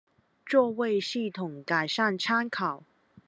作為系統改善參考